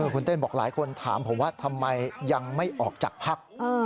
คุณเต้นบอกหลายคนถามผมว่าทำไมยังไม่ออกจากพัก